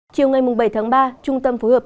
chiều ngày bảy tháng ba trung tâm phối hợp